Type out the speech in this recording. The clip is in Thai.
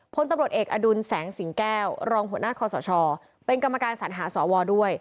พลตำรวจเอกอดุลแสงสิงแก้วรองหัวหน้าคอสชเป็นกรรมการสัญหาสวด้วย